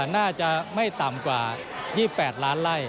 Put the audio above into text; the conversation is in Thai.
น่าจะไม่ต่ำกว่า๒๘ล้านไล่